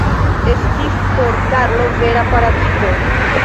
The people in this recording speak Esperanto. Estis por Karlo vera paradizo.